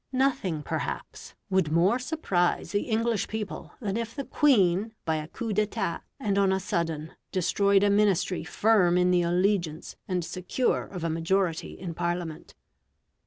Nothing, perhaps, would more surprise the English people than if the Queen by a coup d'etat and on a sudden destroyed a Ministry firm in the allegiance and secure of a majority in Parliament.